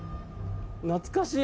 「懐かしい」